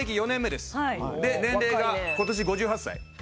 年齢が今年５８歳。